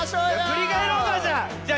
ふりかえろうかじゃあ！